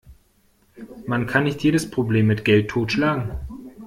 Man kann nicht jedes Problem mit Geld totschlagen.